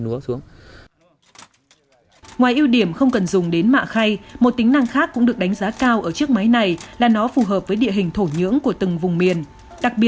ngoài yêu điểm không cần dùng đến mạ khay một tính năng khác cũng được đánh giá cao ở chiếc máy này là nó phù hợp với địa hình thủ công bằng tay